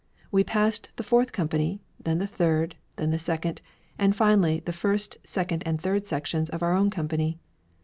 We passed the fourth company, then the third, then the second, and finally the first, second, and third sections of our own company.